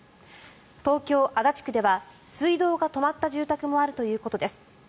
東京・足立区では水道が止まった住宅もあるということです。